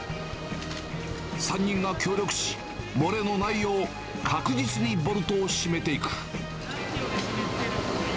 ３人が協力し、漏れのないよう、確実にボルトを締めていく。